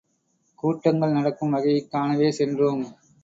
கூட்டங்கள் நடக்கும் வகையைக் காணவே சென்றோம்.